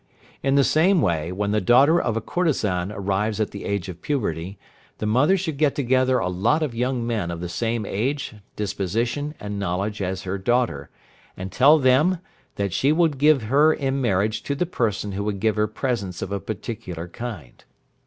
In the same way, when the daughter of a courtesan arrives at the age of puberty, the mother should get together a lot of young men of the same age, disposition, and knowledge as her daughter, and tell them that she would give her in marriage to the person who would give her presents of a particular kind.